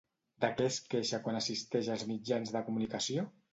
De què es queixa quan assisteix als mitjans de comunicació?